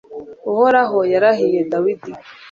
uhoraho yarahiye dawudi